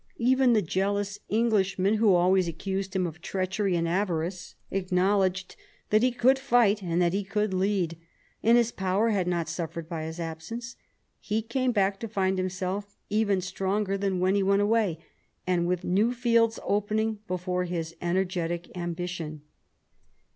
Even the jealous Englishmen, who always accused him of treachery and avarice, acknowledged that he could fight and that he could lead. And his power had not suffered by his absence. He came back to find himself even stronger than when he went away, and with new fields opening before his energetic ambition.